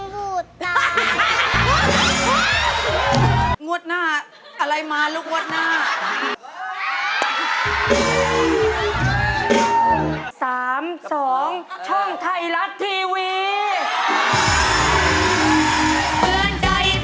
กินนุ่มผูดตาย